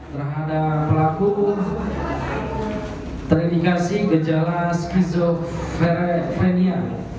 terhadap pelaku terindikasi gejala skizofrenia